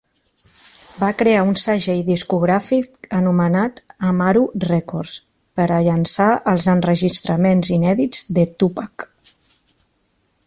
Va crear un segell discogràfic anomenat Amaru Rècords per a llançar els enregistraments inèdits de Tupac.